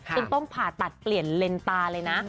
ต้องผ่าตัดเปลี่ยนเลนตาเลยนะ